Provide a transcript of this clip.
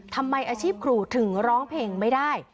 ทำไมอาชีพครูถึงร้องเพลงไม่ได้